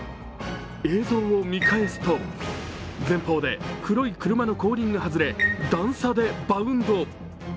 映像を見返すと、前方で黒い車の後輪が外れ、段差でバウンド。